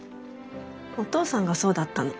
お父さんがそうだったの。